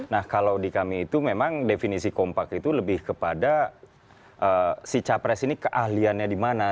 nah kalau di kami itu memang definisi kompak itu lebih kepada si capres ini keahliannya di mana